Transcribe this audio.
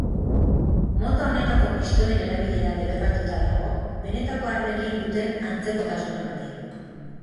Mota honetako pistolen erabilera debekatuta dago, benetako armekin duten antzekotasunagatik.